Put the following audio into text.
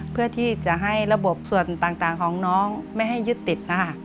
เพื่อที่จะให้ระบบส่วนต่างของน้องไม่ให้ยึดติดนะคะ